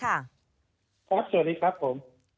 ครับสวัสดีครับผม